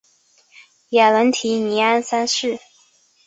瓦伦提尼安三世。